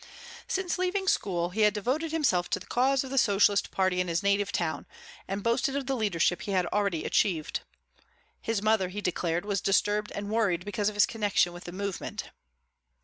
Since leaving school he had devoted himself to the cause of the socialist party in his native town, and boasted of the leadership he had already achieved. His mother, he declared, was disturbed and worried because of his connection with the movement.